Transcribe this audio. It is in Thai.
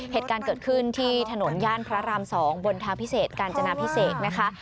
เหตุการณ์เกิดขึ้นที่ถนนย่านพระราม๒บนทางพิเศษกาญจนาพิเศษนะคะ